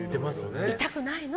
痛くないの？